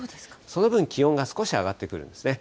その分、気温が少し上がってくるんですね。